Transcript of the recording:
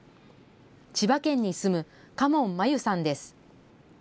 千葉県に住むかもんまゆさんです。